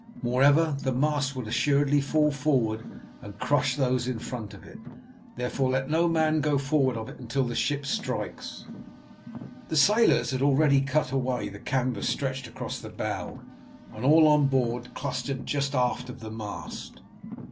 Moreover, the mast will assuredly fall forward and crush those in front of it. Therefore, let no man go forward of it until the ship strikes." The sailors had already cut away the canvas stretched across the bow, and all on board clustered just aft the mast.